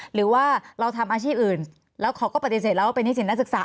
หรือว่าเราทำอาชีพอื่นแล้วเขาก็ปฏิเสธแล้วว่าเป็นนิสินนักศึกษา